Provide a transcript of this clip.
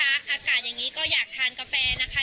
อากาศอย่างนี้ก็อยากทานกาแฟนะคะ